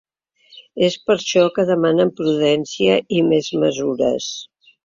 És per això que demanen prudència i més mesures.